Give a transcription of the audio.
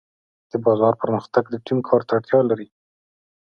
د بازار پرمختګ د ټیم کار ته اړتیا لري.